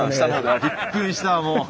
びっくりしたもう。